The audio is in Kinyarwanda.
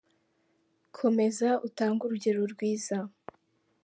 komeza utange urugero rwiza.